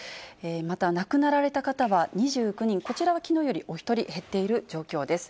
また亡くなられた方は２９人、こちらはきのうよりお１人減っている状況です。